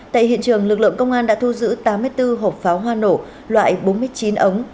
tại hiện trường lực lượng công an đã thu giữ tám mươi bốn hộp pháo hoa nổ loại bốn mươi chín ống